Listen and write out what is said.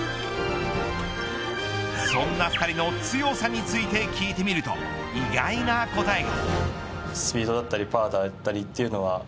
そんな２人の強さについて聞いてみると意外な答えが。